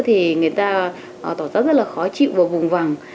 thì người ta tỏ ra rất là khó chịu và vùng vẳng